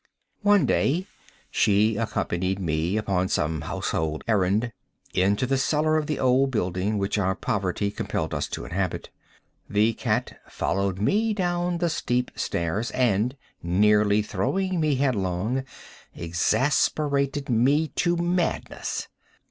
One day she accompanied me, upon some household errand, into the cellar of the old building which our poverty compelled us to inhabit. The cat followed me down the steep stairs, and, nearly throwing me headlong, exasperated me to madness.